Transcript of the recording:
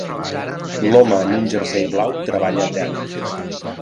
L'home amb un jersei blau treballa a terra